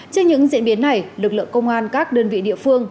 trên những diễn biến này lực lượng công an các đơn vị địa phương